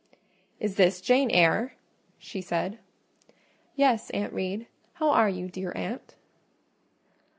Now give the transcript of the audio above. "Is this Jane Eyre?" she said. "Yes, Aunt Reed. How are you, dear aunt?"